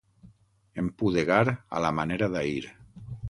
Empudegar a la manera d'ahir.